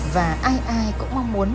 và ai ai cũng mong muốn